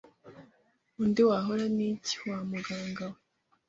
Undi wahora n'iki wa muganga we